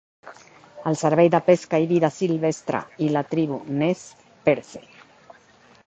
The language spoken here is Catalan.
El Servei de pesca i vida silvestre i la tribu Nez Perce.